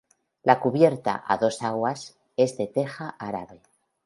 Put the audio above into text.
La cubierta, a dos aguas, es de teja árabe.